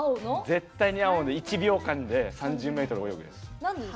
絶対に青の１秒間で３０ｍ泳ぐ。